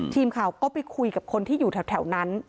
ทีมข่าวก็ไปคุยกับคนที่อยู่แถวนั้น